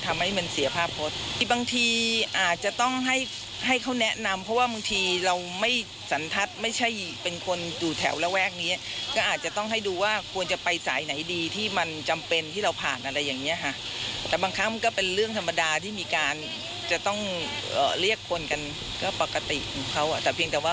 แต่เพียงแต่ว่ามันรุนแรงไปหน่อยเท่านั้นเอง